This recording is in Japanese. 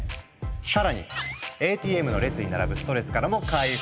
更にＡＴＭの列に並ぶストレスからも解放！